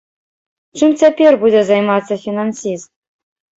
Чым цяпер будзе займацца фінансіст?